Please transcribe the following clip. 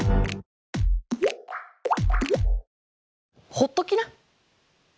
ほっときな。